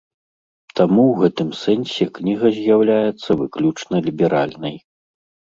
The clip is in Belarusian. Таму ў гэтым сэнсе кніга з'яўляецца выключна ліберальнай.